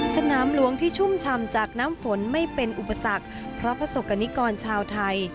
สนามหลวงที่ชุ่มชำจากน้ำฝนไม่เป็นอุปสรรคเพราะประสบกรณิกรชาวไทย